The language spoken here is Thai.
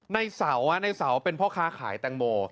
ในเสาในเสาเป็นพ่อค้าขายแตงโม